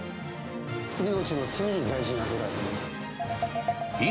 命の次に大事なぐらい。